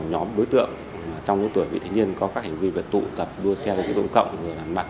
nhóm đối tượng trong những tuổi vị thí nghiên có các hành vi về tụ tập đua xe đối tượng cộng